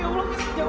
ya allah masih jauh